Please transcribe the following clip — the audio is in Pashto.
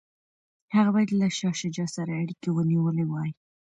هغه باید له شاه شجاع سره اړیکي ونیولي وای.